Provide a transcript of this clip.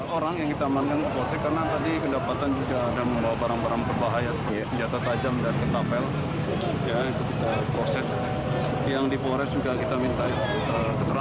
orang yang ditamankan polisi karena tadi kedapatan juga ada membawa